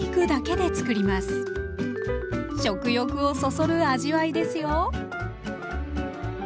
食欲をそそる味わいですよ。